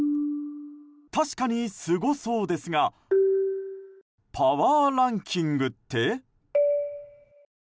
確かにすごそうですがパワーランキングって？